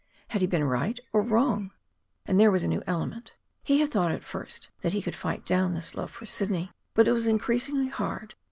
Had he been right or wrong? And there was a new element. He had thought, at first, that he could fight down this love for Sidney. But it was increasingly hard.